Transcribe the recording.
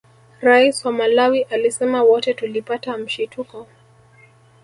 Rais wa Malawi alisema wote tulipata mshituko